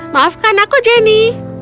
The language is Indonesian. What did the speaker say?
maafkan aku jenny